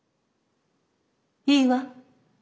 いいわ。